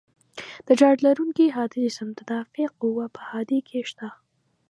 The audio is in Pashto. د چارج لرونکي هادي جسم د دافعې قوه په هادې کې شته.